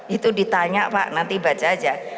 itu ditanya pak nanti baca aja